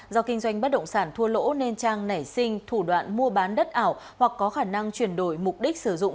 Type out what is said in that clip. do kinh doanh bất động sản thua lỗ nên trang nảy sinh thủ đoạn mua bán đất ảo hoặc có khả năng chuyển đổi mục đích sử dụng